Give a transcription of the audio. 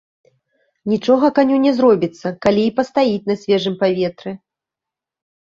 Нічога каню не зробіцца, калі і пастаіць на свежым паветры.